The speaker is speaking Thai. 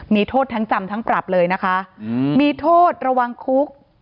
มีโทษทั้งจำทั้งปรับเลยนะคะมีโทษระวังคุก